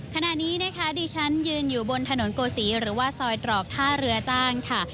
ขณะนี้นะคะดิฉันยืนอยู่บนถนนโกศีหรือว่าซอยตรอกท่าเรือจ้างค่ะ